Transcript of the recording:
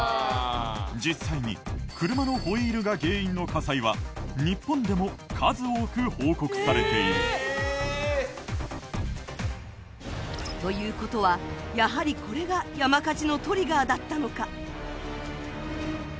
実際に車のホイールが原因の火災は日本でも数多く報告されているということはやはりこれが山火事のトリガーだったのか？